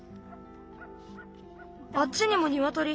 ・あっちにもニワトリ。